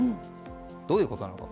どういうことなのか